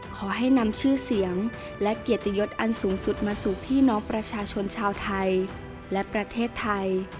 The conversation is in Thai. ขอให้นำชื่อเสียงและเกียรติยศอันสูงสุดมาสู่พี่น้องประชาชนชาวไทยและประเทศไทย